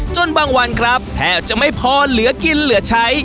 จนบางวันครับแทบจะไม่พอเหลือกินเหลือใช้